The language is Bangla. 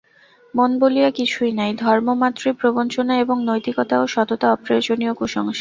মন বলিয়া কিছুই নাই, ধর্মমাত্রই প্রবঞ্চনা এবং নৈতিকতা ও সততা অপ্রয়োজনীয় কুসংস্কার।